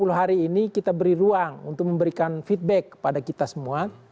sepuluh hari ini kita beri ruang untuk memberikan feedback kepada kita semua